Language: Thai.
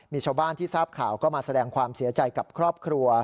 มีชาวบ้านที่ทราบข่าวก็มาแสดงความเสียใจกับครอบครัว